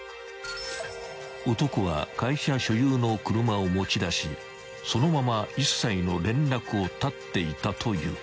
［男は会社所有の車を持ち出しそのまま一切の連絡を断っていたという］